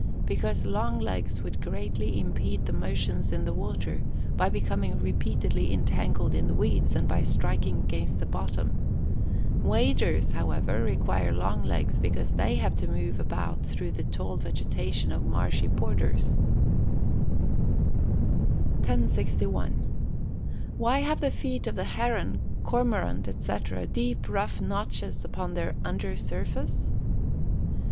_ Because long legs would greatly impede their motions in the water, by becoming repeatedly entangled in the weeds, and by striking against the bottom. Waders, however, require long legs because they have to move about through the tall vegetation of marshy borders. [Illustration: Fig. 69. STILT PLOVER AND DUCK.] 1061. _Why have the feet of the heron, cormorant, &c., deep rough notches upon their under surface?